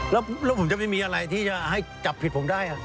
แล้วผมจะไม่มีอะไรที่จะให้จับผิดผมได้